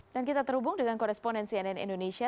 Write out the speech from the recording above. dan kita terhubung dengan koresponen cnn indonesia